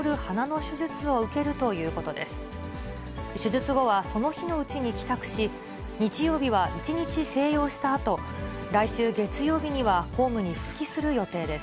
手術後はその日のうちに帰宅し、日曜日は一日静養したあと、来週月曜日には公務に復帰する予定です。